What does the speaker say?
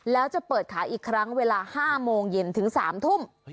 แล้วจะเปิดขายอีกครั้งเวลา๕โมงเย็นถึง๓ทุ่ม